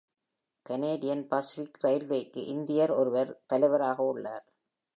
Canadian Pacific ரயில்வேக்கு இந்தியர் ஒருவர் தலைவராக உள்ளார்.